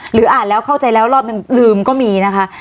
อ่านแล้วเข้าใจแล้วรอบนึงลืมก็มีนะคะ